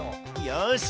よし！